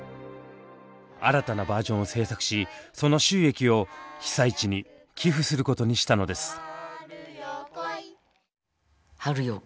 新たなバージョンを制作しその収益を被災地に寄付することにしたのです。